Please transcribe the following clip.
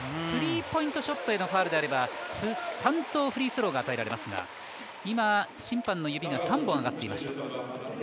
スリーポイントショットへのファウルであれば３投フリースローが与えられますが、今、審判の指が３本上がっていました。